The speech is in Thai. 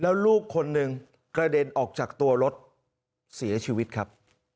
แล้วลูกคนหนึ่งกระเด็นออกจากตัวรถเสียชีวิตครับ